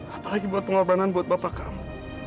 apalagi buat pengorbanan buat bapak kamu